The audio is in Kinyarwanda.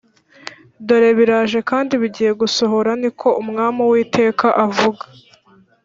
Dore biraje kandi bigiye gusohora Ni ko Umwami Uwiteka avuga